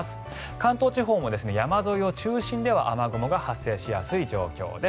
関東地方も山沿い中心では雨雲が発生しやすい状況です。